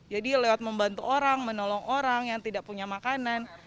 jadi lewat membantu orang menolong orang yang tidak punya makanan